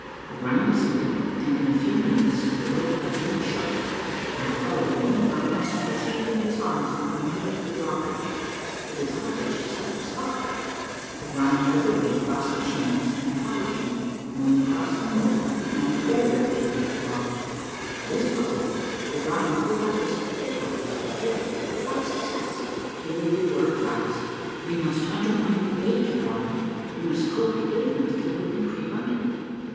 O'Brien descended, and in a few minutes the rope again shook; I followed him, and found myself received in his arms upon the meeting of the drawbridge; but the drawbridge itself was up. O'Brien led the way across the chains, and I followed him. When we had crossed the moat, we found a barrier gate locked; this puzzled us. O'Brien pulled out his picklocks to pick it, but without success; here we were fast. "We must undermine the gate, O'Brien; we must pull up the pavement until we can creep under."